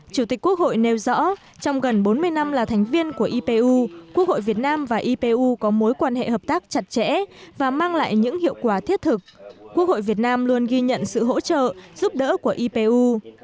chủ tịch quốc hội nêu rõ trong gần bốn mươi năm là thành viên của ipu quốc hội việt nam và ipu có mối quan hệ hợp tác chặt chẽ và mang lại những hiệu quả thiết thực quốc hội việt nam luôn ghi nhận sự hỗ trợ giúp đỡ của ipu